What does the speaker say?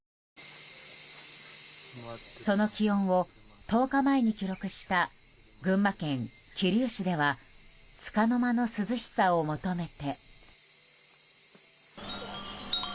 その気温を１０日前に記録した群馬県桐生市ではつかの間の涼しさを求めて。